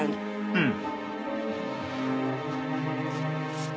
うん。